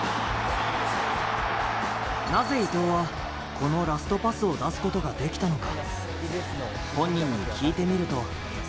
なぜ伊東はこのラストパスを出すことができたのか。